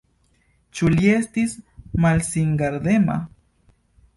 Ĉu li estis malsingardema?